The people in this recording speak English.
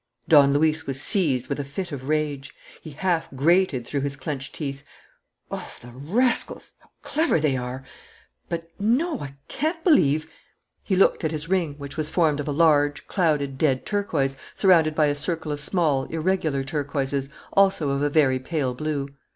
Don Luis was seized with a fit of rage. He half grated, through his clenched teeth: "Oh, the rascals! How clever they are! But no, I can't believe " He looked at his ring, which was formed of a large, clouded, dead turquoise, surrounded by a circle of small, irregular turquoises, also of a very pale blue.